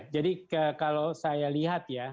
jadi kalau saya lihat ya